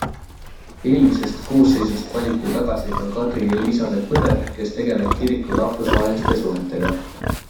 Eelmisest koosseisust valiti tagasi ka Kadri Eliisabet Põder, kes tegeleb kiriku rahvusvaheliste suhetega.